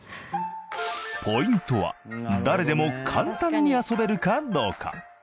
ポイントは誰でも簡単に遊べるかどうか。